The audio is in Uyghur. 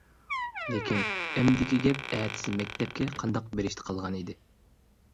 لېكىن ئەمدىكى گەپ ئەتىسى مەكتەپكە قانداق بېرىشتا قالغان ئىدى.